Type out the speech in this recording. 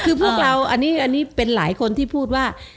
คือพวกเราอันนี้เป็นหลายคนที่พูดว่า